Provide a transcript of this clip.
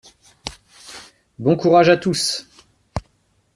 Bon courage à tous!